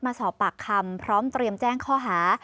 มาสอบปากคำพร้อมเตรียมแจ้งข้อหา